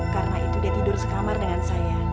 karena itu dia tidur sekamar dengan saya